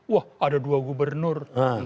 wah ada dua gubernur